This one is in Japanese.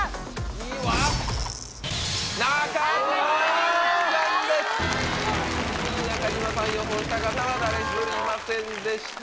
２位は⁉２位中島さん予想した方は誰１人いませんでした。